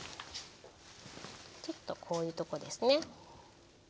ちょっとこういうとこですね。